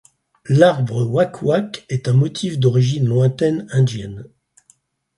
L'arbre waq-waq est un motif d'origine lointaine indienne.